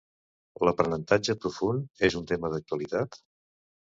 L'aprenentatge profund és un tema d'actualitat.